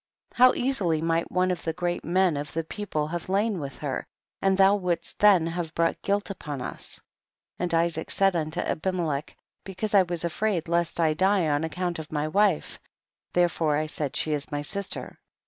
how easily might one of the great men of the people have lain with her, and thou wouldst then have brought guilt upon us. 9. And Isaac said unto Abimc Icch, because I was afraid lest I die on account of my wife, therefore I said, she is my sister.